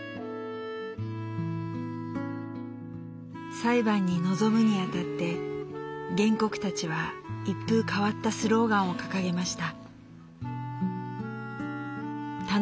裁判に臨むにあたって原告たちは一風変わったスローガンを掲げました。